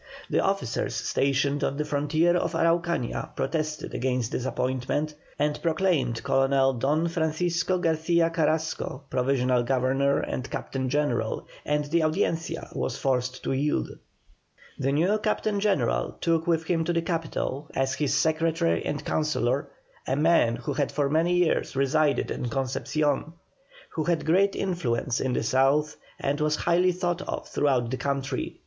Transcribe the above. The officers stationed on the frontier of Araucania protested against this appointment, and proclaimed Colonel Don Francisco Garcia Carrasco Provisional Governor and Captain General, and the Audiencia was forced to yield. The new Captain General took with him to the capital, as his secretary and councillor, a man who had for many years resided at Concepcion, who had great influence in the south and was highly thought of throughout the country.